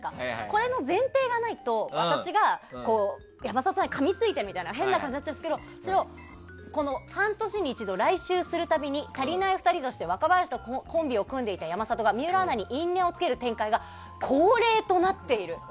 これの前提がないと私が山里さんにかみついたみたいな変な感じになっちゃうんですけどそれを半年に一度来襲するたびに「たりないふたり」として若林とコンビを組んでいた山里がミトアナに因縁をつける展開が恒例となっている。